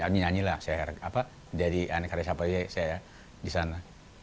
nyanyilah jadi ane karya safari saya disana